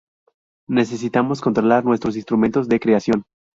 Necesitamos controlar nuestros instrumentos de creación